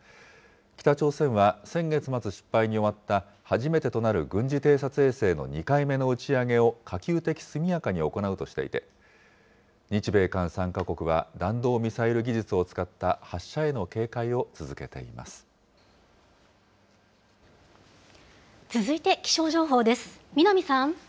北朝鮮は先月末、失敗に終わった初めてとなる軍事偵察衛星の２回目の打ち上げを可及的速やかに行うとしていて、日米韓３か国は弾道ミサイル技術を使った発射への警戒を続けてい続いて気象情報です。